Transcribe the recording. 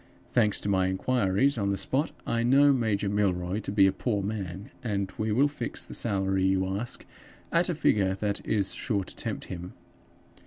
Thanks to my inquiries on the spot, I know Major Milroy to be a poor man; and we will fix the salary you ask at a figure that is sure to tempt him.